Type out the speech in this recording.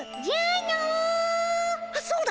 じゃあの。